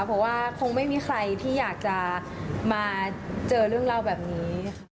เพราะว่าคงไม่มีใครที่อยากจะมาเจอเรื่องเล่าแบบนี้ค่ะ